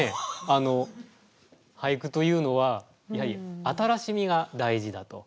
俳句というのはやはり新しみが大事だと。